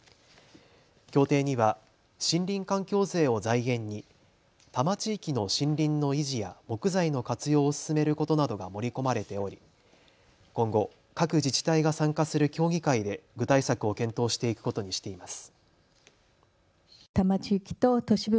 協定には森林環境税を財源に多摩地域の森林の維持や木材の活用を進めることなどが盛り込まれており今後、各自治体が参加する協議会で具体策を検討していくことにしています。